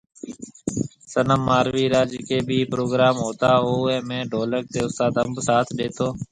صنم ماروي را جڪي ڀي پروگرام ھوتا اوئي ۾ ڍولڪ تي اُستاد انب ساٿ ڏيتو